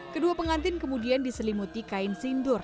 kedua pengantin kemudian diselimuti kain sindur